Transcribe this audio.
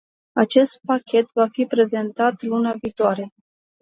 Acest pachet va fi prezentat luna viitoare.